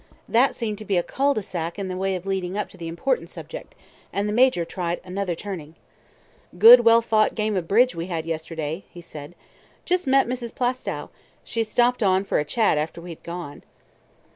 That seemed to be a cul de sac in the way of leading up to the important subject, and the Major tried another turning. "Good, well fought game of bridge we had yesterday," he said. "Just met Mrs. Plaistow; she stopped on for a chat after we had gone."